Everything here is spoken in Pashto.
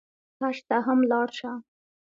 حج ته هم لاړ شه.